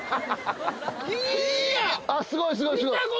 あっすごいすごいすごい見た？